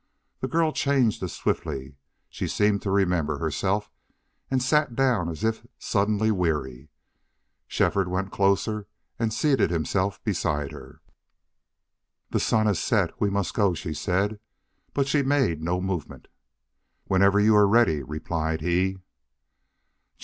The girl changed as swiftly. She seemed to remember herself, and sat down as if suddenly weary. Shefford went closer and seated himself beside her. "The sun has set. We must go," she said. But she made no movement. "Whenever you are ready," replied he.